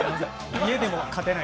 家でも勝てない。